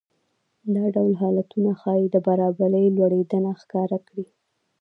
دا ډول حالتونه ښايي د برابرۍ لوړېدنه ښکاره کړي